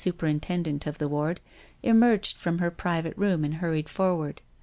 231 superintendent of the ward, emerged from her private room and hurried forward.